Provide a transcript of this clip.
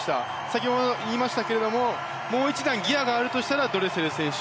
先ほど言いましたけどもう１段ギアがあるとしたらドレセル選手。